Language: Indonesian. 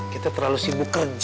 kita terlalu sibuk kerja